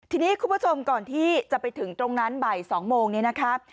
ทีนี้คุณผู้ชมก่อนที่จะไปถึงตรงนั้นบ่าย๒โมงนี้นะครับ